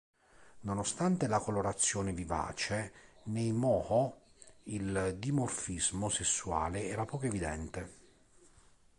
Nonostante la colorazione vivace, nei moho il dimorfismo sessuale era poco evidente.